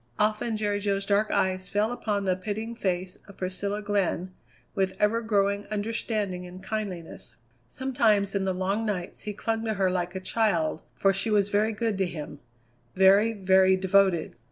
Often Jerry Jo's dark eyes fell upon the pitying face of Priscilla Glenn with ever growing understanding and kindliness. Sometimes in the long nights he clung to her like a child, for she was very good to him; very, very devoted.